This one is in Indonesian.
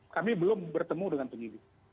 kami belum bertemu dengan penyidik